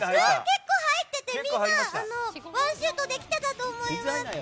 結構入ってて、みんなシュートできていたと思います。